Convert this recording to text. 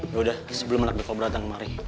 yaudah sebelum anak deko berantem mari